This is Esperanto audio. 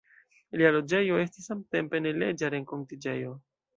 Lia loĝejo estis samtempe neleĝa renkontiĝejo.